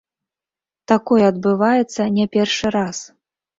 Такое адбываецца не першы раз.